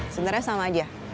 sebenarnya sama aja